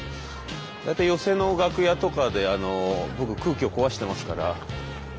大体寄席の楽屋とかで僕空気を壊してますから。